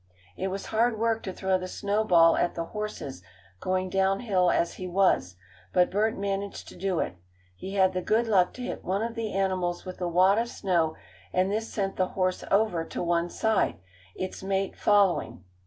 It was hard work to throw the snow ball at the horses, going down hill as he was, but Bert managed to do it. He had the good luck to hit one of the animals with the wad of snow, and this sent the horse over to one side, its mate following.